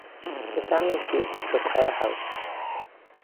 The family seat was Traquair House.